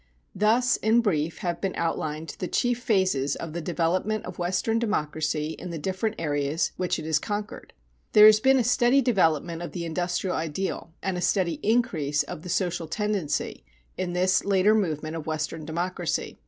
Thus, in brief, have been outlined the chief phases of the development of Western democracy in the different areas which it has conquered. There has been a steady development of the industrial ideal, and a steady increase of the social tendency, in this later movement of Western democracy.